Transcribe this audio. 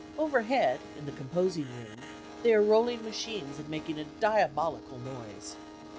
Overhead, in the composing room, they are rolling machines and making a diabolical noise.